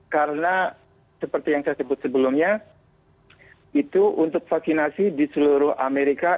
karena seperti yang saya sebut sebelumnya itu untuk vaksinasi di seluruh amerika